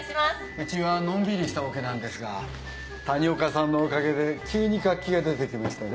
うちはのんびりしたオケなんですが谷岡さんのおかげで急に活気が出てきましてね。